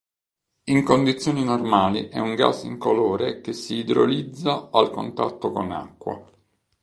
In condizioni normali è un gas incolore che si idrolizza al contatto con acqua.